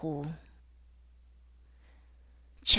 CHAP.